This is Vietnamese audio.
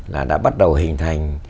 là đã bắt đầu hình thành